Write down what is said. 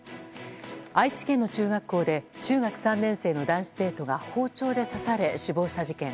愛知県の中学校で中学３年生の男子生徒が包丁で刺され死亡した事件。